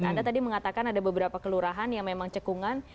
anda tadi mengatakan ada beberapa kelurahan yang memang cekungan